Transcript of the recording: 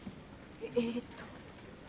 えっと。